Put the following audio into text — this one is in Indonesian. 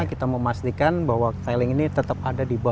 kita memastikan bahwa tiling ini tetap ada di bawah